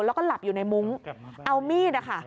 แล้วก็หลับอยู่ในมุ้งเอามีดนะคะ